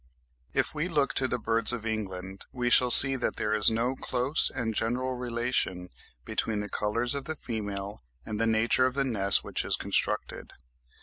If we look to the birds of England we shall see that there is no close and general relation between the colours of the female and the nature of the nest which is constructed.